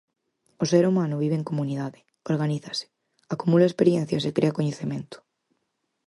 O ser humano vive en comunidade, organízase, acumula experiencias e crea coñecemento.